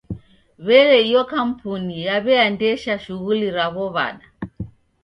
W'ele iyo kampuni yaw'iaendesha shughuli raw'o w'ada?